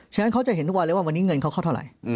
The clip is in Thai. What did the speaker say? ฉะนั้นเขาจะเห็นทุกวันเลยว่าวันนี้เงินเขาเข้าเท่าไหร่